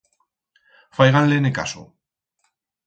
Faigan-le-ne caso.